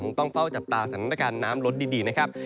ต้องเฝ้าจับตาสถานการณ์น้ำลดดีนะครับ